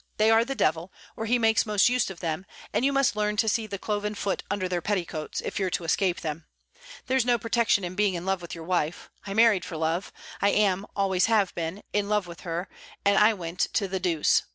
They are the devil or he makes most use of them: and you must learn to see the cloven foot under their petticoats, if you're to escape them. There's no protection in being in love with your wife; I married for love; I am, I always have been, in love with her; and I went to the deuce.